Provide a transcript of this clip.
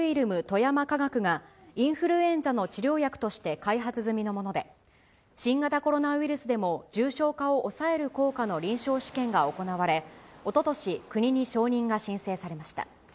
富山化学が、インフルエンザの治療薬として開発済みのもので、新型コロナウイルスでも、重症化を抑える効果の臨床試験が行われ、おととし、国に承認が申請されました。